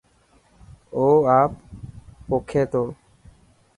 او آپ پوکي ٿو.